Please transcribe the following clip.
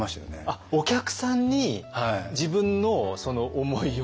あっお客さんに自分のその思いを。